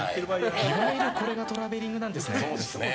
いわゆるこれがトラベリングなんですね。